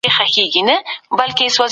مرسته او چانس هر وخت نه راځي.